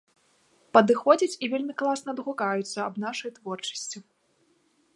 Падыходзяць і вельмі класна адгукаюцца аб нашай творчасці.